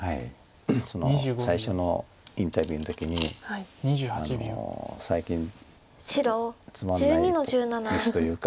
その最初のインタビューの時に最近つまんないミスというか。